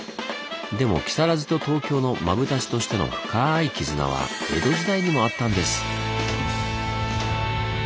でも木更津と東京のマブダチとしての深い絆は江戸時代にもあったんです。